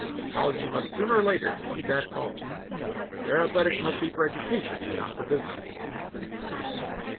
Colleges must sooner or later heed that call: their athletics must be for education, not for business.